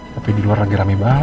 tapi di luar lagi rame banget lagi